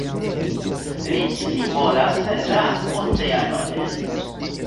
Li simbolas la oceanon.